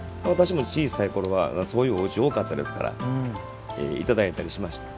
私も小さい頃はそういうおうち多かったですから頂いたりしました。